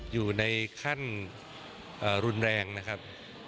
อยู่ในขั้นรุนแรงนะครับ